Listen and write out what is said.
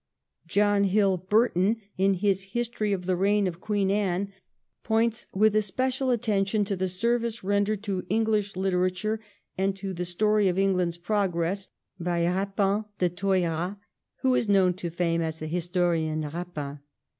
John Hill Burton, in his History of the Eeign of Queen Anne, points with especial attention to the service rendered to English literature and to the story of England's progress by Eapin de Thoyras, who is known to fame as the historian Eapin.